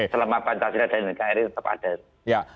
selama pantasnya ada yang menjadikan ini tetap ada